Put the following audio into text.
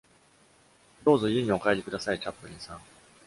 どうぞ家にお帰りください、チャップリンさん。